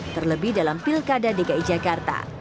terlebih dalam pilkada dki jakarta